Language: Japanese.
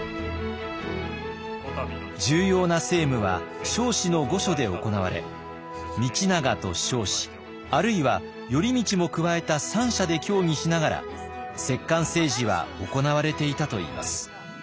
重要な政務は彰子の御所で行われ道長と彰子あるいは頼通も加えた三者で協議しながら摂関政治は行われていたといいます。